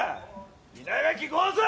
稲垣剛蔵！